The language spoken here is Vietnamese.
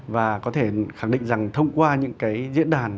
và có thể khẳng định rằng thông qua những cái diễn đàn